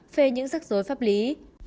về những rắc rối pháp lý